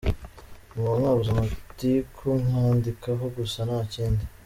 Muba mwabuze amatiku mwandikaho gusa ntakindi.